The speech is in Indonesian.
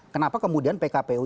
kenapa kemudian pkpw